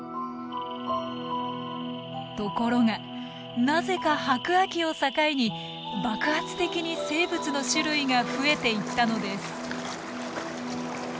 ところがなぜか白亜紀を境に爆発的に生物の種類が増えていったのです。